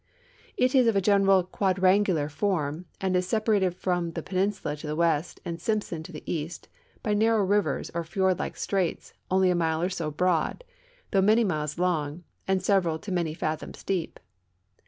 It is of a general quadrangular kmn and is sepa rated from the i)eninsula to the west and Simpson to the east hy narrow rivers or fiord like straits only a mile or so l)road, thougli many miles long, and several to many fathoms deep.